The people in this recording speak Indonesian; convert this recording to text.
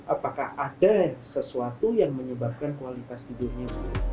apakah ada sesuatu yang menyebabkan kualitas tidurnya buruk